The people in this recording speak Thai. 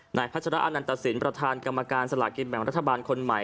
พัชระอนันตสินประธานกรรมการสลากินแบ่งรัฐบาลคนใหม่